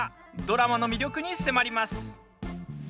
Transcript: ドラマの魅力に迫ります。